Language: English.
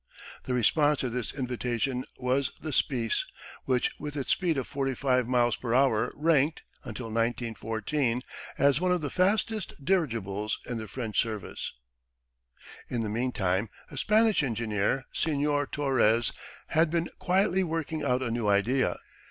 The response to this invitation was the Spiess, which with its speed of 45 miles per hour ranked, until 1914, as one of the fastest dirigibles in the French service. In the meantime a Spanish engineer, Senor Torres, had been quietly working out a new idea.